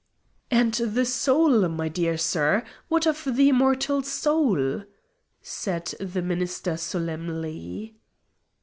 "And the soul, my dear sir! What of the immortal soul!" said the minister solemnly.